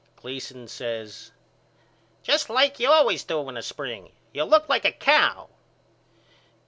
Gleason says Just like you always do in the spring. You looked like a cow.